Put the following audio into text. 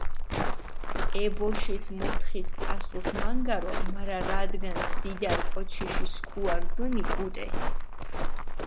ე ბოშის მოთხის პასუხი მანგარო, მარა რადგანს დიდარი კოჩიში სქუა რდჷნი, გუტეს.